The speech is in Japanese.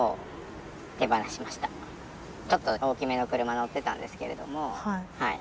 ちょっと大きめの車乗ってたんですけれども。